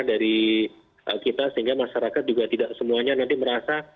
dari kita sehingga masyarakat juga tidak semuanya nanti merasa